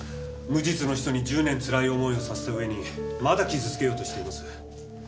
無実の人に１０年つらい思いをさせた上にまだ傷つけようとしています。